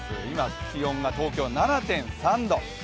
今、気温が東京は７．３度。